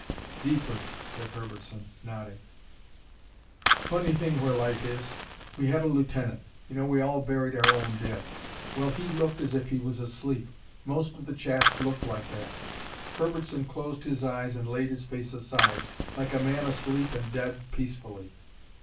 "Deeper," said Herbertson, nodding. "Funny thing where life is. We had a lieutenant. You know we all buried our own dead. Well, he looked as if he was asleep. Most of the chaps looked like that." Herbertson closed his eyes and laid his face aside, like a man asleep and dead peacefully.